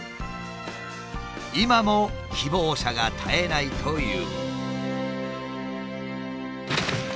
今も希望者が絶えないという。